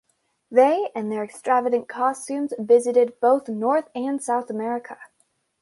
They and their extravagant costumes visited both North and South America.